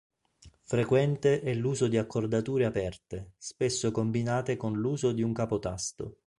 Frequente è l'uso di accordature aperte, spesso combinate con l'uso di un capotasto.